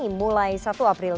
pandemi mulai satu april